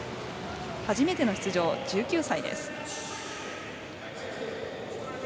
初めての出場、１９歳です。